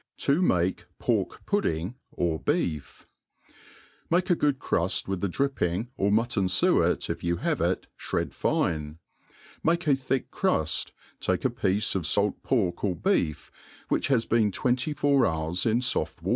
7i make Pork^Pudiing^ or Beef* MAKE a good cruft with the dripping, or mutton fuet, if Su have it, flired fine ; make a thick cruft, take a piece of t pork or beef, whicb has beep twcaty foMr hours in foft MADE PLAIN AND EASY.